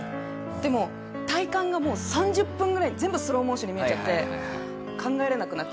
でも体感がもう３０分ぐらい全部スローモーションに見えちゃって。